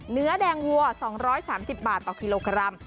เนื้อแดงวัว๒๓๐บาทต่อกิโลกรัม